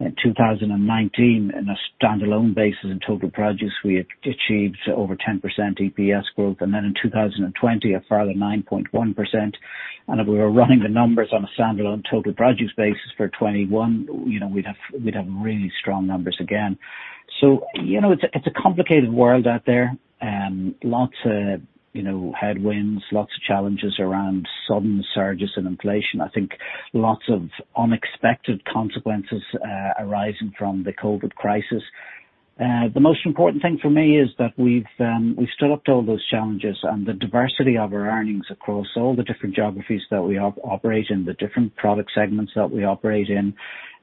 In 2019, on a standalone basis, in Total Produce, we had achieved over 10% EPS growth, and then in 2020, a further 9.1%. If we were running the numbers on a standalone Total Produce basis for 2021, you know, we'd have really strong numbers again. You know, it's a complicated world out there. Lots of, you know, headwinds, lots of challenges around sudden surges in inflation. I think lots of unexpected consequences arising from the COVID crisis. The most important thing for me is that we've stood up to all those challenges and the diversity of our earnings across all the different geographies that we operate in, the different product segments that we operate in.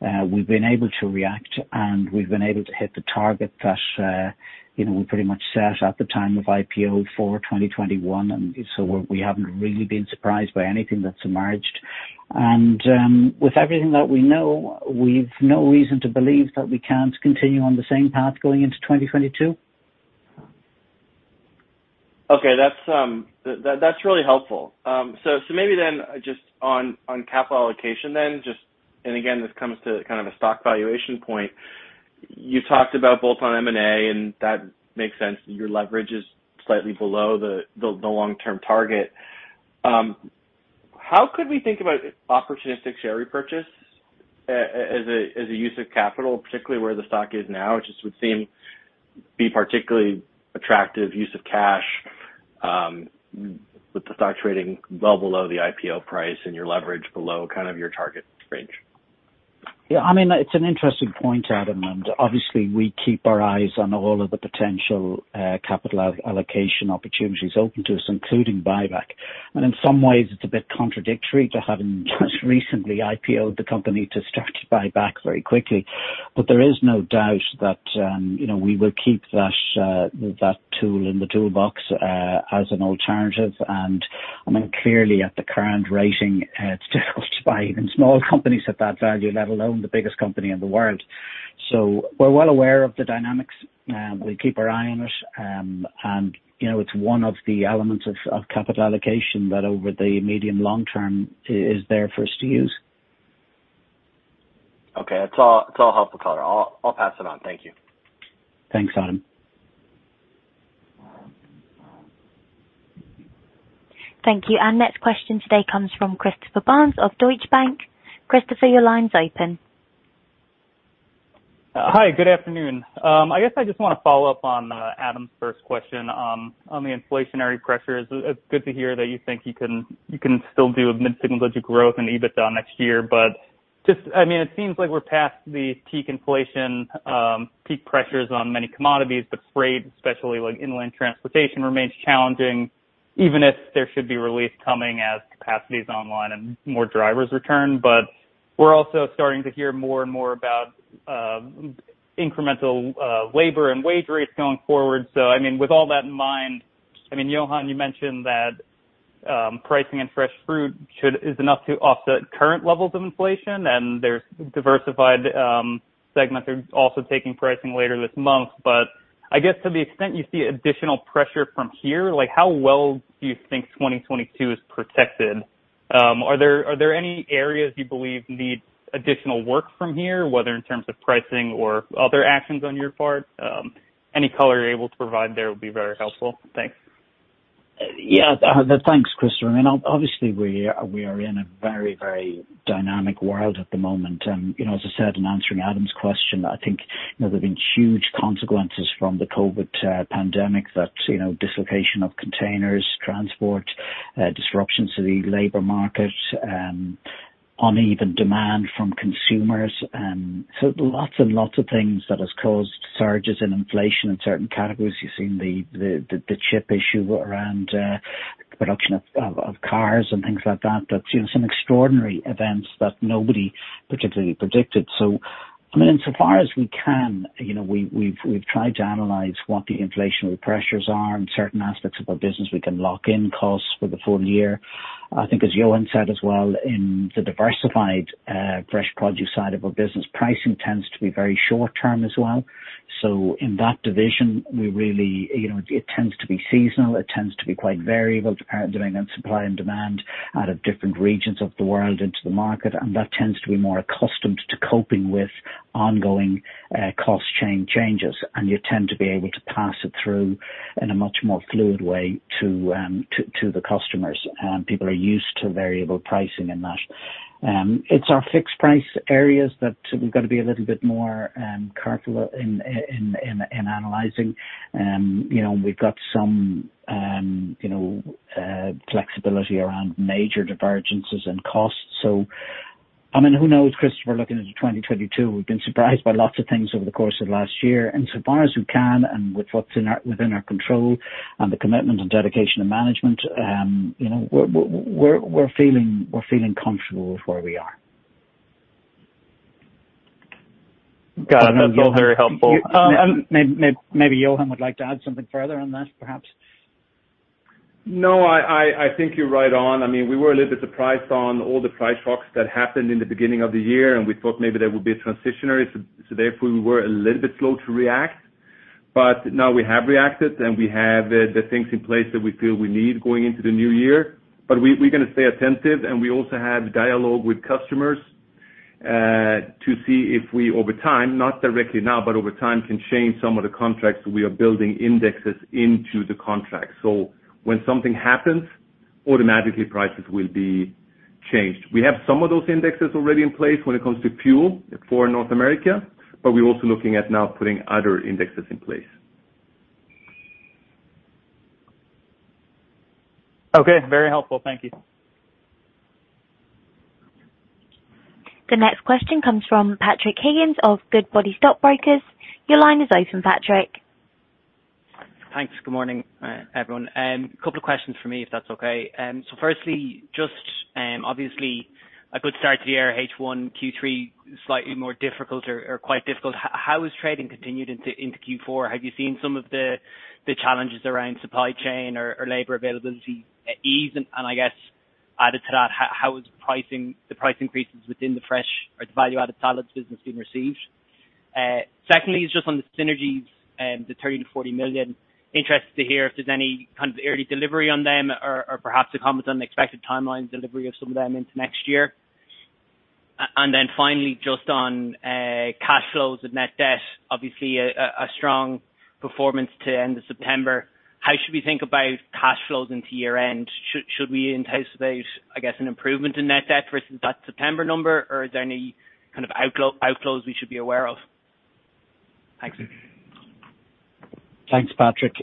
We've been able to react, and we've been able to hit the target that you know, we pretty much set at the time of IPO for 2021. We haven't really been surprised by anything that's emerged. With everything that we know, we've no reason to believe that we can't continue on the same path going into 2022. Okay. That's really helpful. So maybe on capital allocation. This comes to kind of a stock valuation point. You talked about both on M&A, and that makes sense. Your leverage is slightly below the long-term target. How could we think about opportunistic share repurchase as a use of capital, particularly where the stock is now? It just would seem be particularly attractive use of cash, with the stock trading well below the IPO price and your leverage below kind of your target range. Yeah. I mean, it's an interesting point, Adam, and obviously we keep our eyes on all of the potential, capital allocation opportunities open to us, including buyback. In some ways it's a bit contradictory to having just recently IPO'd the company to start to buy back very quickly. There is no doubt that, you know, we will keep that tool in the toolbox, as an alternative. I mean, clearly at the current rating, it's difficult to buy even small companies at that value, let alone the biggest company in the world. We're well aware of the dynamics. We keep our eye on it. You know, it's one of the elements of capital allocation that over the medium long-term is there for us to use. Okay. That's all helpful, Rory Byrne. I'll pass it on. Thank you. Thanks, Adam. Thank you. Our next question today comes from Christopher Barnes of Deutsche Bank. Christopher, your line's open. Hi, good afternoon. I guess I just wanna follow up on Adam's first question on the inflationary pressures. It's good to hear that you think you can still do a mid-single digit growth in EBITDA next year. Just, I mean, it seems like we're past the peak inflation, peak pressures on many commodities, but freight especially, like inland transportation remains challenging, even if there should be relief coming as capacity is online and more drivers return. We're also starting to hear more and more about incremental labor and wage rates going forward. I mean, with all that in mind, I mean, Johan, you mentioned that pricing and fresh fruit is enough to offset current levels of inflation and the diversified segments are also taking pricing later this month. I guess to the extent you see additional pressure from here, like how well do you think 2022 is protected? Are there any areas you believe need additional work from here, whether in terms of pricing or other actions on your part? Any color you're able to provide there will be very helpful. Thanks. Yeah. Thanks, Christopher. I mean, obviously we are in a very dynamic world at the moment. You know, as I said in answering Adam's question, I think, you know, there've been huge consequences from the COVID pandemic that, you know, dislocation of containers, transport, disruptions to the labor market, uneven demand from consumers. Lots and lots of things that has caused surges in inflation in certain categories. You've seen the chip issue around production of cars and things like that. That's some extraordinary events that nobody particularly predicted. I mean, so far as we can, you know, we've tried to analyze what the inflationary pressures are in certain aspects of our business. We can lock in costs for the full year. I think as Johan said as well, in the diversified fresh produce side of our business, pricing tends to be very short term as well. In that division, we really, you know, it tends to be seasonal, it tends to be quite variable, depending on supply and demand out of different regions of the world into the market, and that tends to be more accustomed to coping with ongoing cost chain changes, and you tend to be able to pass it through in a much more fluid way to the customers. People are used to variable pricing in that. It's our fixed price areas that we've got to be a little bit more careful in analyzing. You know, we've got some, you know, flexibility around major divergences and costs. I mean, who knows, Christopher, looking into 2022, we've been surprised by lots of things over the course of last year. So far as we can and with what's within our control and the commitment and dedication of management, you know, we're feeling comfortable with where we are. Got it. That's all very helpful. Maybe Johan would like to add something further on that, perhaps. No, I think you're right on. I mean, we were a little bit surprised on all the price shocks that happened in the beginning of the year, and we thought maybe they would be transitory. Therefore, we were a little bit slow to react. Now we have reacted, and we have the things in place that we feel we need going into the new year. We're gonna stay attentive, and we also have dialogue with customers to see if we over time, not directly now, but over time, can change some of the contracts. We are building indexes into the contract. When something happens, automatically prices will be changed. We have some of those indexes already in place when it comes to fuel for North America, but we're also looking at now putting other indexes in place. Okay, very helpful. Thank you. The next question comes from Patrick Higgins of Goodbody Stockbrokers. Your line is open, Patrick. Thanks. Good morning, everyone. A couple of questions for me, if that's okay. So firstly, just obviously a good start to the year, first half, Q3, slightly more difficult or quite difficult. How has trading continued into Q4? Have you seen some of the challenges around supply chain or labor availability ease? I guess added to that, how is pricing, the price increases within the fresh or the value-added salads business being received? Second, just on the synergies, the $30 million-$40 million. Interested to hear if there's any kind of early delivery on them or perhaps to comment on the expected timeline delivery of some of them into next year. Then finally, just on cash flows and net debt, obviously a strong performance to end of September. How should we think about cash flows into year-end? Should we anticipate, I guess, an improvement in net debt versus that September number, or is there any kind of outflows we should be aware of? Thanks. Thanks, Patrick.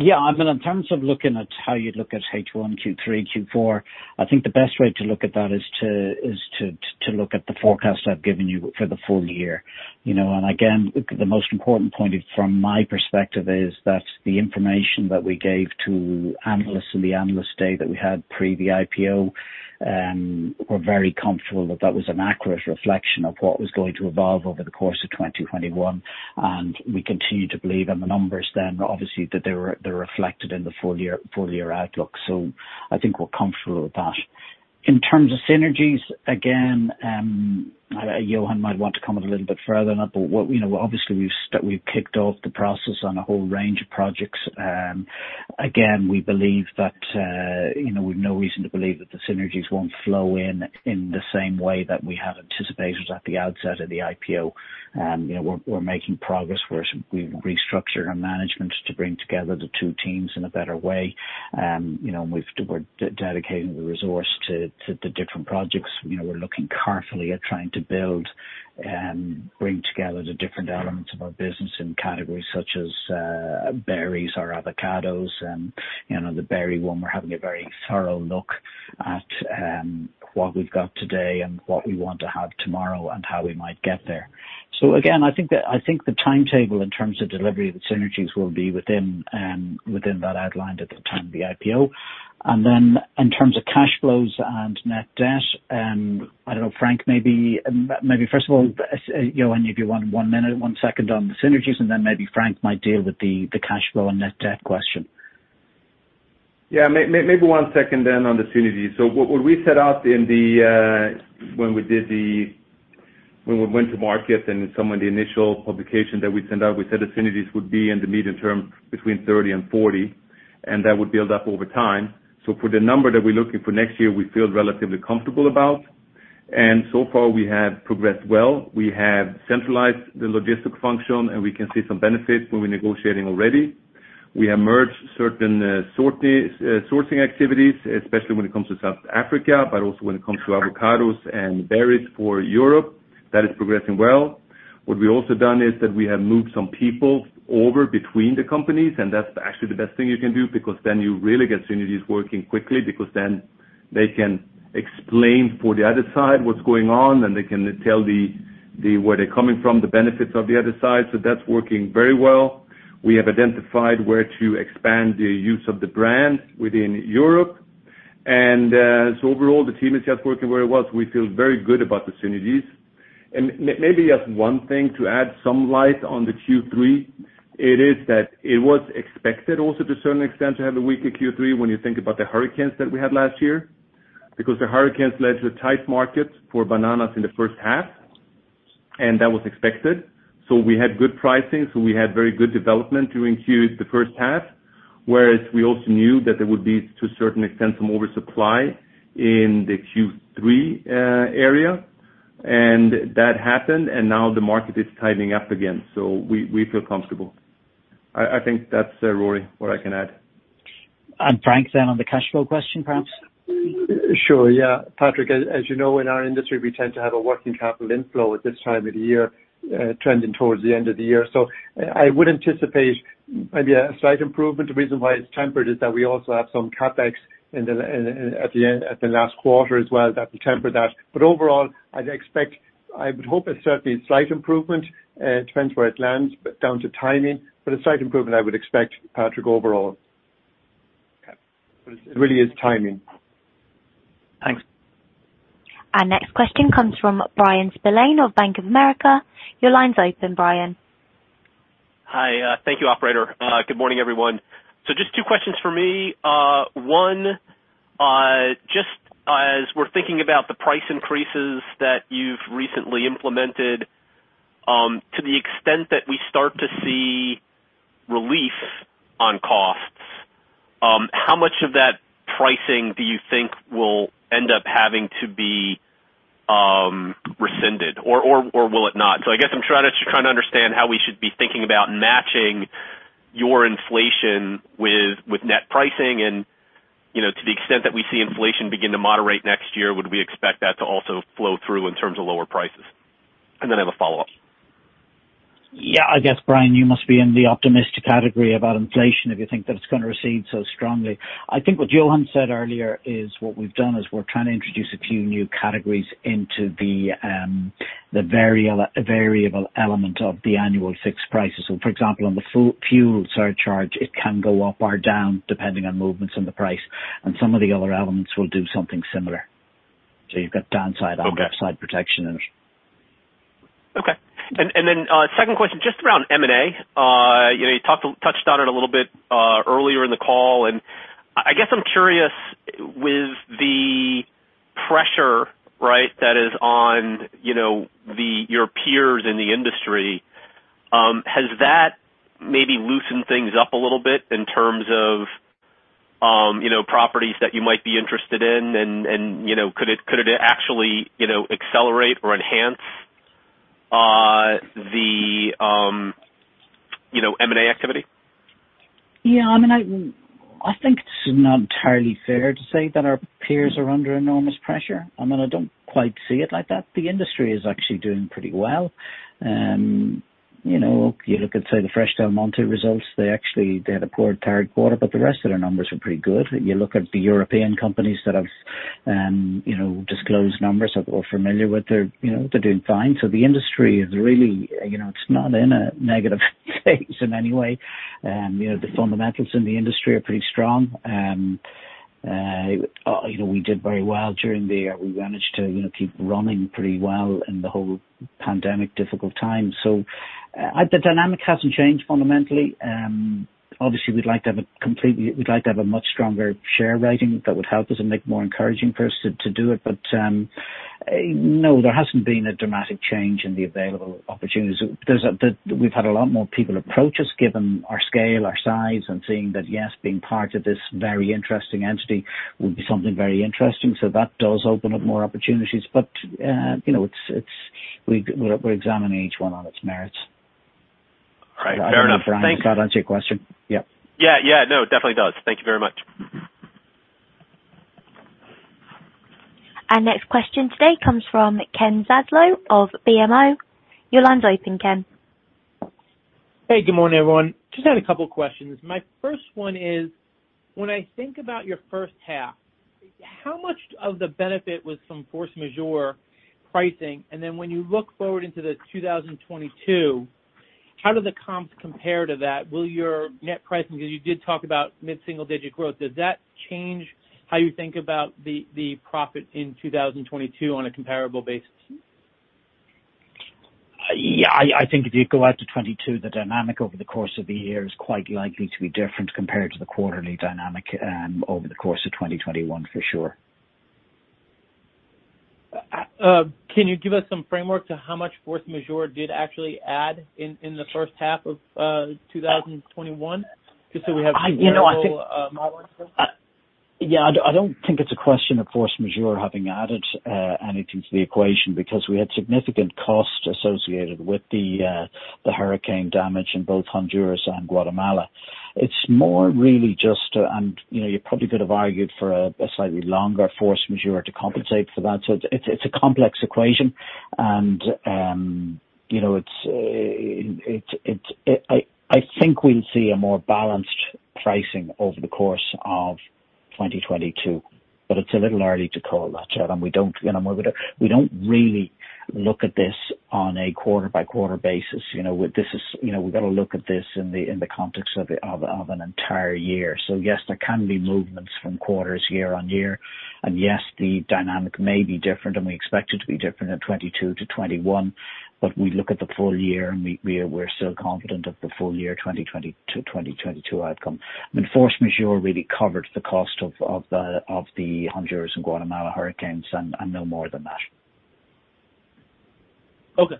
Yeah, I mean, in terms of looking at how you'd look at first half, Q3, Q4, I think the best way to look at that is to look at the forecast I've given you for the full year. You know, again, the most important point from my perspective is that the information that we gave to analysts in the analyst day that we had pre the IPO, we're very comfortable that that was an accurate reflection of what was going to evolve over the course of 2021. We continue to believe in the numbers then, obviously, that they're reflected in the full-year outlook. I think we're comfortable with that. In terms of synergies, again, Johan might want to comment a little bit further on it, but, you know, obviously we've kicked off the process on a whole range of projects. Again, we believe that, you know, we've no reason to believe that the synergies won't flow in the same way that we had anticipated at the outset of the IPO. You know, we're making progress. We've restructured our management to bring together the two teams in a better way. You know, we've dedicating the resource to the different projects. You know, we're looking carefully at trying to bring together the different elements of our business in categories such as berries or avocados. You know, the berry one, we're having a very thorough look at what we've got today and what we want to have tomorrow and how we might get there. I think the timetable in terms of delivery of the synergies will be within that outlined at the time of the IPO. In terms of cash flows and net debt, I don't know, Frank, maybe first of all, Johan, if you want one minute, one second on the synergies, and then maybe Frank might deal with the cash flow and net debt question. Maybe one second, then on the synergies. What we set out when we went to market and some of the initial publication that we sent out, we said the synergies would be in the medium term between 30 and 40, and that would build up over time. For the number that we're looking for next year, we feel relatively comfortable about. So far, we have progressed well. We have centralized the logistics function, and we can see some benefits when we're negotiating already. We have merged certain sourcing activities, especially when it comes to South Africa, but also when it comes to avocados and berries for Europe. That is progressing well. What we've also done is that we have moved some people over between the companies, and that's actually the best thing you can do because then you really get synergies working quickly because then they can explain for the other side what's going on and they can tell them where they're coming from, the benefits of the other side. That's working very well. We have identified where to expand the use of the brand within Europe. Overall the team is just working very well. We feel very good about the synergies. Maybe just one thing to add some light on the Q3. It was expected also to a certain extent to have a weaker Q3 when you think about the hurricanes that we had last year because the hurricanes led to a tight market for bananas in the first half, and that was expected. We had good pricing, so we had very good development during the first half, whereas we also knew that there would be, to a certain extent, some oversupply in the Q3 area. That happened, and now the market is tightening up again. We feel comfortable. I think that's, Rory, what I can add. Frank, then on the cash flow question, perhaps. Sure, yeah. Patrick, as you know, in our industry, we tend to have a working capital inflow at this time of the year, trending towards the end of the year. I would anticipate maybe a slight improvement. The reason why it's tempered is that we also have some CapEx at the end of the last quarter as well. That will temper that. Overall, I would hope it's certainly a slight improvement, depends where it lands, but down to timing. A slight improvement I would expect, Patrick, overall. It really is timing. Thanks. Our next question comes from Bryan Spillane of Bank of America. Your line's open, Bryan. Hi. Thank you, operator. Good morning, everyone. Just two questions for me. One, just as we're thinking about the price increases that you've recently implemented, to the extent that we start to see relief on costs, how much of that pricing do you think will end up having to be rescinded or will it not? I guess I'm trying to understand how we should be thinking about matching your inflation with net pricing and, you know, to the extent that we see inflation begin to moderate next year, would we expect that to also flow through in terms of lower prices? I have a follow-up. Yeah, I guess, Bryan, you must be in the optimistic category about inflation if you think that it's gonna recede so strongly. I think what Johan said earlier is what we've done is we're trying to introduce a few new categories into the variable element of the annual fixed prices. For example, on the fuel surcharge, it can go up or down depending on movements in the price, and some of the other elements will do something similar. You've got downside- Okay. upside protection in it. Okay. Then, second question, just around M&A. You know, you touched on it a little bit earlier in the call, and I guess I'm curious with the pressure, right, that is on, you know, the your peers in the industry. Has that maybe loosened things up a little bit in terms of, you know, properties that you might be interested in and, you know, could it actually, you know, accelerate or enhance the M&A activity? Yeah, I mean, I think it's not entirely fair to say that our peers are under enormous pressure. I mean, I don't quite see it like that. The industry is actually doing pretty well. You know, you look at, say, the Fresh Del Monte results. They actually had a poor Q3, but the rest of their numbers were pretty good. You look at the European companies that have, you know, disclosed numbers or we're familiar with their. You know, they're doing fine. The industry is really, you know, it's not in a negative phase in any way. You know, the fundamentals in the industry are pretty strong. You know, we did very well during the pandemic. We managed to, you know, keep running pretty well in the whole pandemic difficult time. The dynamic hasn't changed fundamentally. Obviously we'd like to have a much stronger share rating. That would help us and make it more encouraging for us to do it. No, there hasn't been a dramatic change in the available opportunities. We've had a lot more people approach us given our scale, our size, and seeing that, yes, being part of this very interesting entity would be something very interesting. So that does open up more opportunities. You know, it's, we're examining each one on its merits. All right. Fair enough. Thank you. I don't know, Bryan, if that answered your question. Yep. Yeah. No, it definitely does. Thank you very much. Our next question today comes from Ken Zaslow of BMO. Your line's open, Ken. Hey, good morning, everyone. Just had a couple questions. My first one is, when I think about your first half, how much of the benefit was from force majeure pricing? When you look forward into 2022, how do the comps compare to that? Will your net pricing, because you did talk about mid-single digit growth, does that change how you think about the profit in 2022 on a comparable basis? Yeah, I think if you go out to 2022, the dynamic over the course of the year is quite likely to be different compared to the quarterly dynamic over the course of 2021 for sure. Can you give us some framework to how much force majeure did actually add in the first half of 2021 just so we have- You know, I think. -model. Yeah, I don't think it's a question of force majeure having added anything to the equation because we had significant costs associated with the hurricane damage in both Honduras and Guatemala. It's more really just, and you know, you probably could have argued for a slightly longer force majeure to compensate for that. It's a complex equation and, you know, I think we'll see a more balanced pricing over the course of 2022, but it's a little early to call that yet. We don't, you know, really look at this on a quarter by quarter basis. You know, we've got to look at this in the context of an entire year. Yes, there can be movements from quarters year on year, and yes, the dynamic may be different, and we expect it to be different in 2022 to 2021. We look at the full year and we're still confident of the full year 2020 to 2022 outcome. I mean, force majeure really covered the cost of the Honduras and Guatemala hurricanes and no more than that. Okay.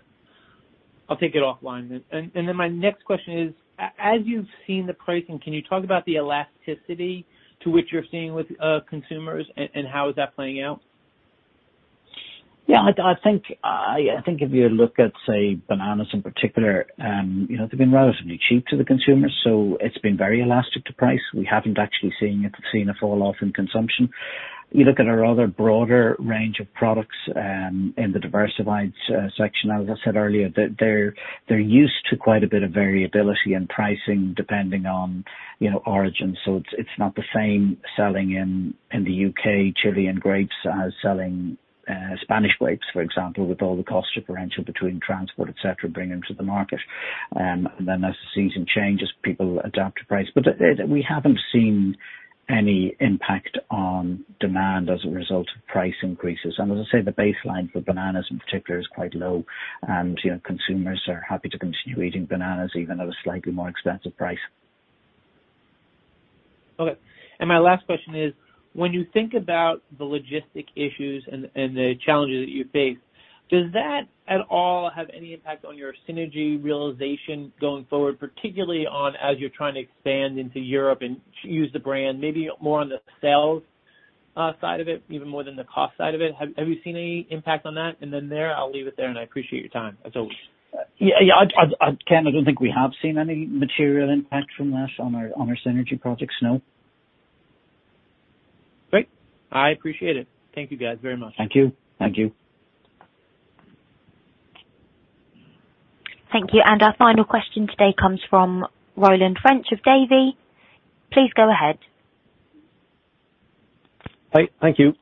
I'll take it offline then. My next question is, as you've seen the pricing, can you talk about the elasticity to which you're seeing with, consumers and how is that playing out? Yeah, I think if you look at, say, bananas in particular, you know, they've been relatively cheap to the consumer, so it's been very elastic to price. We haven't actually seen a fall off in consumption. You look at our other broader range of products in the diversified section, as I said earlier, they're used to quite a bit of variability in pricing depending on, you know, origin. So it's not the same selling in the U.K., Chilean grapes as selling Spanish grapes, for example, with all the cost differential between transport, et cetera, bring them to the market. Then as the season changes, people adapt to price. We haven't seen any impact on demand as a result of price increases. As I say, the baseline for bananas in particular is quite low and, you know, consumers are happy to continue eating bananas even at a slightly more expensive price. Okay. My last question is, when you think about the logistics issues and the challenges that you face, does that at all have any impact on your synergy realization going forward, particularly as you're trying to expand into Europe and use the brand maybe more on the sales side of it, even more than the cost side of it? Have you seen any impact on that? Then, I'll leave it there, and I appreciate your time. That's all. Yeah, yeah. Ken, I don't think we have seen any material impact from that on our synergy projects. No. Great. I appreciate it. Thank you guys very much. Thank you. Thank you. Thank you. Our final question today comes from Roland French of Davy. Please go ahead. Hi. Thank you.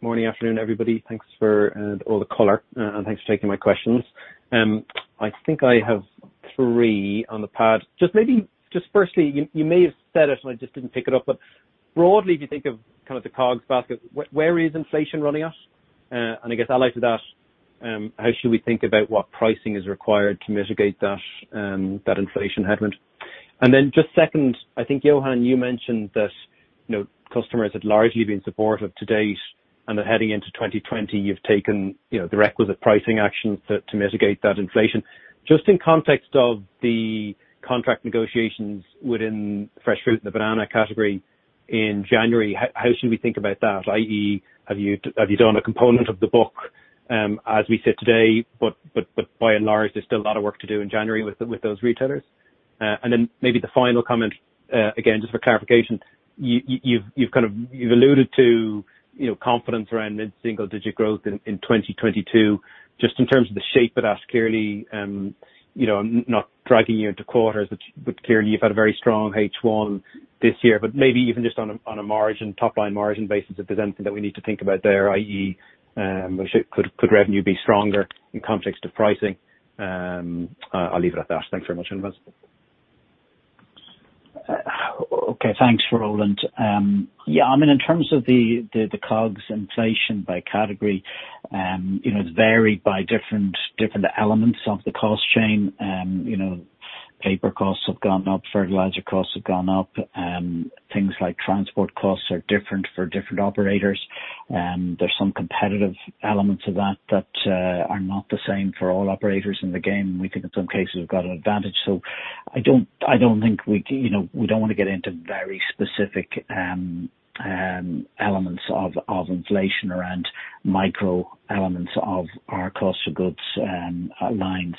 Morning, afternoon, everybody. Thanks for all the color, and thanks for taking my questions. I think I have three on the pad. Just maybe just firstly, you may have said it and I just didn't pick it up, but broadly, if you think of kind of the COGS basket, where is inflation running at? And I guess allied to that, how should we think about what pricing is required to mitigate that inflation headroom? And then just second, I think, Johan, you mentioned that, you know, customers had largely been supportive to date and that heading into 2020 you've taken, you know, the requisite pricing actions to mitigate that inflation. Just in context of the contract negotiations within fresh fruit in the banana category in January, how should we think about that? i.e., have you done a component of the book as we sit today, but by and large there's still a lot of work to do in January with those retailers? Then maybe the final comment, again, just for clarification, you've kind of alluded to, you know, confidence around mid-single-digit growth in 2022. Just in terms of the shape of that, clearly, you know, I'm not driving you into quarters, but clearly you've had a very strong first half this year. But maybe even just on a margin, top line margin basis, if there's anything that we need to think about there, i.e., could revenue be stronger in context of pricing? I'll leave it at that. Thanks very much, gentlemen. Okay. Thanks, Roland. I mean, in terms of the COGS inflation by category, you know, it's varied by different elements of the cost chain. You know, paper costs have gone up, fertilizer costs have gone up. Things like transport costs are different for different operators. There's some competitive elements of that that are not the same for all operators in the game. We think in some cases we've got an advantage. I don't think we want to get into very specific elements of inflation around micro elements of our cost of goods lines.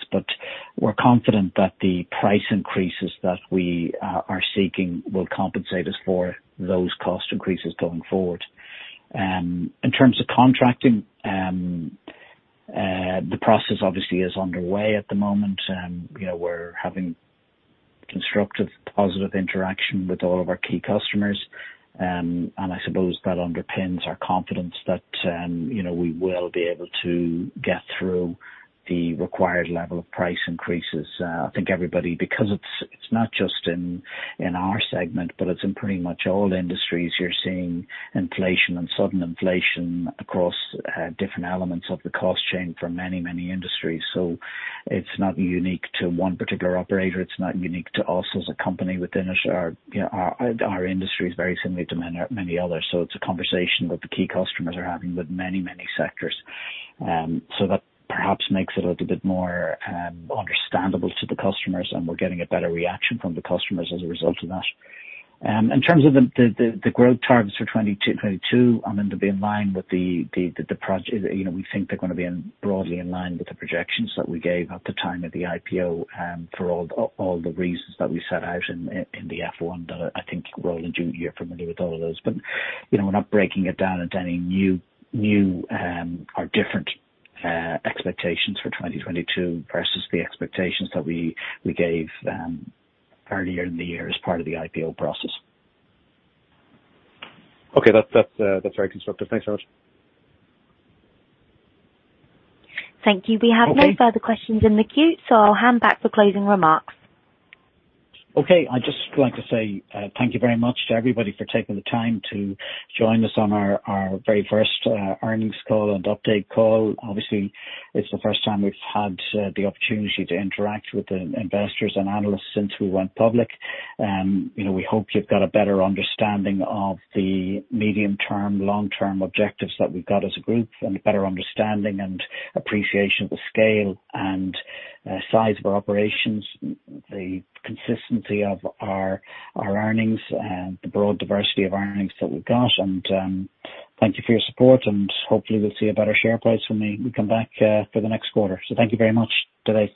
We're confident that the price increases that we are seeking will compensate us for those cost increases going forward. In terms of contracting, the process obviously is underway at the moment. You know, we're having constructive, positive interaction with all of our key customers. I suppose that underpins our confidence that, you know, we will be able to get through the required level of price increases. I think everybody, because it's not just in our segment, but it's in pretty much all industries, you're seeing inflation and sudden inflation across different elements of the cost chain for many, many industries. It's not unique to one particular operator. It's not unique to us as a company within it. You know, our industry is very similar to many, many others, so it's a conversation that the key customers are having with many, many sectors. That perhaps makes it a little bit more understandable to the customers, and we're getting a better reaction from the customers as a result of that. In terms of the growth targets for 2022, I mean, to be in line with the projections that we gave at the time of the IPO, for all the reasons that we set out in the F-1 that I think, Roland, Judy, you're familiar with all of those. You know, we're not breaking it down into any new or different expectations for 2022 versus the expectations that we gave earlier in the year as part of the IPO process. Okay. That's very constructive. Thanks so much. Thank you. Okay. We have no further questions in the queue, so I'll hand back for closing remarks. Okay. I'd just like to say, thank you very much to everybody for taking the time to join us on our very first earnings call and update call. Obviously, it's the first time we've had the opportunity to interact with the investors and analysts since we went public. You know, we hope you've got a better understanding of the medium term, long-term objectives that we've got as a group and a better understanding and appreciation of the scale and size of our operations, the consistency of our earnings, the broad diversity of earnings that we've got. Thank you for your support and hopefully we'll see a better share price when we come back for the next quarter. Thank you very much today.